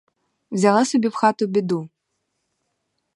Взяла собі в хату біду!